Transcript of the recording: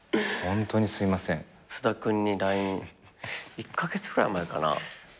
１カ月ぐらい前かな？